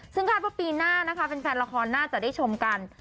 ซึ่งคาดว่าปีหน้านะคะแฟนละครน่าจะได้ชมกัน